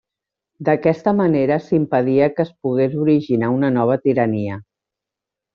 D'aquesta manera s'impedia que es pogués originar una nova tirania.